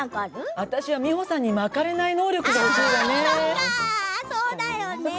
私は美穂さんにまかれない能力が欲しいわ。